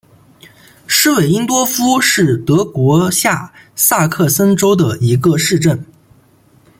施韦因多夫是德国下萨克森州的一个市镇。